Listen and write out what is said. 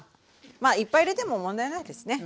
まあいっぱい入れても問題ないですね。